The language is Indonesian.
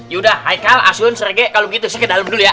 yaudah haikal asun srege kalau gitu saya ke dalam dulu ya